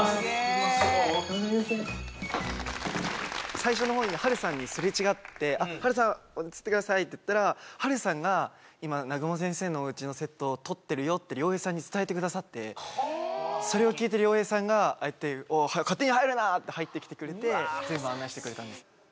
最初の方に華さんにすれ違って「ああ華さん映ってください」って言ったら華さんが「今南雲先生のおうちのセットを撮ってるよ」って亮平さんに伝えてくださってそれを聞いて亮平さんがああやって「おい勝手に入るな！」って入ってきてくれて全部案内してくれたんです